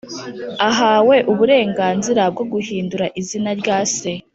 Ahawe uburenganzira bwo guhindura izina rya se